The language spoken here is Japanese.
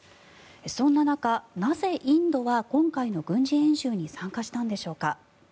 そんな中、なぜインドは今回の軍事演習に参加したのでしょうか。